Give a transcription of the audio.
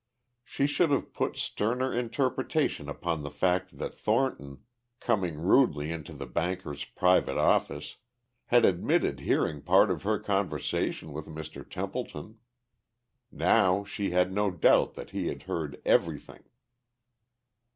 She should have put sterner interpretation upon the fact that Thornton, coming rudely into the banker's private office, had admitted hearing part of her conversation with Mr. Templeton. Now she had no doubt that he had heard everything.